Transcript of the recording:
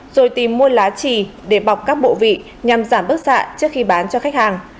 rồi tìm mua lá trì để bọc các bộ vị nhằm giảm bức xạ trước khi bán cho khách hàng